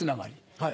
はい。